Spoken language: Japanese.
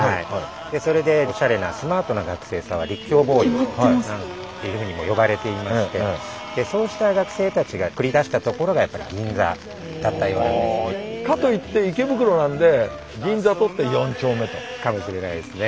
それでおしゃれなスマートな学生さんは立教ボーイなんていうふうにも呼ばれていましてそうした学生たちが繰り出した所がやっぱり銀座だったようなんですね。かもしれないですね。